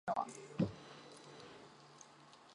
玛丽同哈布斯堡王朝的马克西米利安公爵开始。